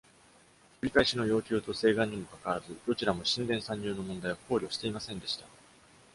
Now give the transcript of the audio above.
繰り返しの要求と請願にもかかわらず、どちらも神殿参入の問題を考慮していませんでした。